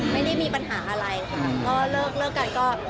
ไม่ได้มีปัญหาอะไรค่ะ